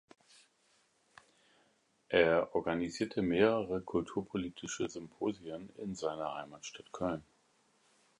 Er organisierte mehrere kulturpolitische Symposien in seiner Heimatstadt Köln.